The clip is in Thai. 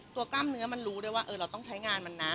กล้ามเนื้อมันรู้ได้ว่าเราต้องใช้งานมันนะ